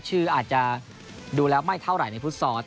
ชื่ออาจจะดูแล้วไม่เท่าไหร่ในฟุตซอล